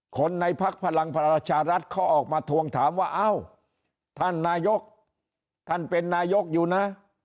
คนในพักพลังประชารัฐเขาออกมาทวงถามว่าเอ้าท่านนายกท่านเป็นนายกอยู่นะ